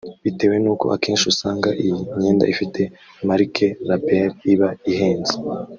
Bitewe n’uko akenshi usanga iyi myenda ifite marque/label iba ihenze